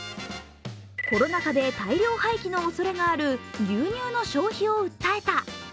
コロナ禍で大量廃棄のおそれがある牛乳の消費を訴えた。